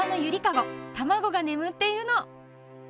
たまごがねむっているの。